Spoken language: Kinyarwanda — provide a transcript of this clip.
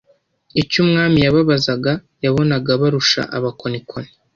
icyo umwami yababazaga, yabonaga barusha abakonikoni